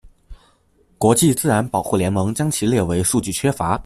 国际自然保护联盟将其列为数据缺乏。